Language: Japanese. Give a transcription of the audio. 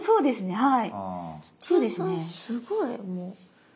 はい。